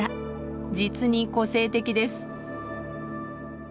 実に個性的です。